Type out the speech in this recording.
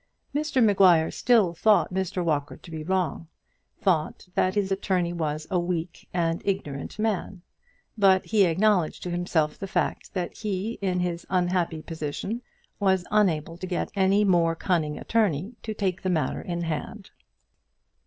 Mr Maguire still thought Mr Walker to be wrong, thought that his attorney was a weak and ignorant man; but he acknowledged to himself the fact that he in his unhappy position was unable to get any more cunning attorney to take the matter in hand.